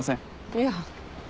いや。